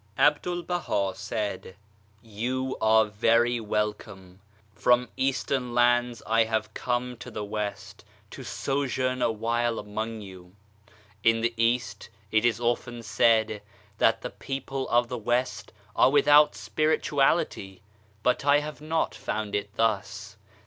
A BDUL BAHA said : You are very welcome ! From Eastern lands I have come to the West to sojourn awhile among you. In the East it is often said that the people of the West are without spirituality, but I have not found it thus.